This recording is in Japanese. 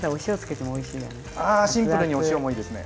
あシンプルにお塩もいいですね。